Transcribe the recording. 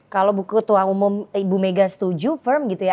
kalau buku tua umum ibu mega setuju firm gitu ya